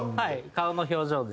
顔の表情で。